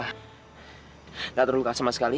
nggak terluka sama sekali